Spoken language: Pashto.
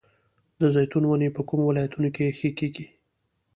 د زیتون ونې په کومو ولایتونو کې ښه کیږي؟